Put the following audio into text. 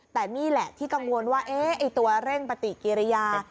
แต่นี่แหละที่กังวลว่าตัวเร่งปฏิกิริยา